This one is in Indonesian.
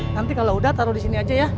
nanti kalau udah taruh disini aja ya